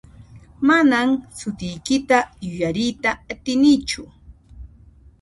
Manan sutiykita yuyariyta atinichu.